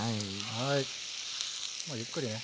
もうゆっくりね。